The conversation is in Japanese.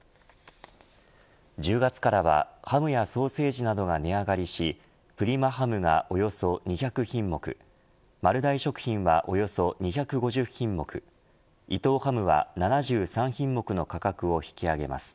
１０月からはハムやソーセージなどが値上がりしプリマハムがおよそ２００品目丸大食品はおよそ２５０品目伊藤ハムは７３品目の価格を引き上げます。